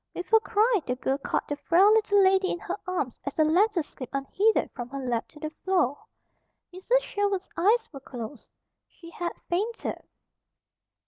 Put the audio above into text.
With a cry the girl caught the frail little lady in her arms as the letter slipped unheeded from her lap to the floor. Mrs. Sherwood's eyes were closed. She had fainted.